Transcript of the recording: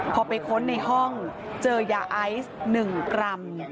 พอไปค้นในห้องเจอยาไอซ์๑กรัม